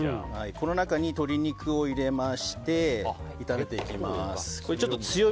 この中に鶏肉を入れまして炒めていきます。